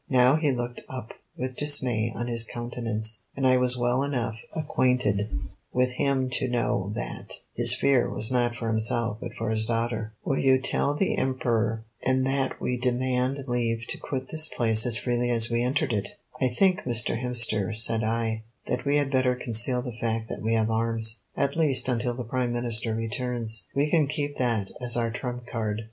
Now he looked up with dismay on his countenance, and I was well enough acquainted with him to know that his fear was not for himself but for his daughter. "Will you tell the Emperor," he said, "that we are armed, and that we demand leave to quit this place as freely as we entered it?" "I think, Mr. Hemster," said I, "that we had better conceal the fact that we have arms, at least until the Prime Minister returns. We can keep that as our trump card."